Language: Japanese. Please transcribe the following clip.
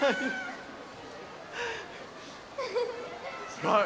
すごい。